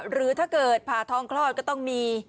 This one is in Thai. หรือถ้าเกิดผ่าท้องคลอดก็ต้องมี